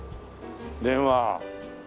電話。